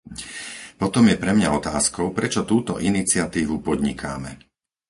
Potom je pre mňa otázkou, prečo túto iniciatívu podnikáme.